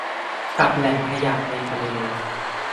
กับแหล่งขยะในทะเล